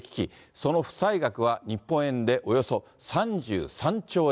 その負債額は、日本円でおよそ３３兆円。